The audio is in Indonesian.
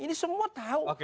ini semua tahu